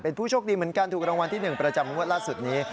เป็นผู้โชคดีเหมือนกันถูกรางวัลที่๑ประจำงวดล่าสุดนี้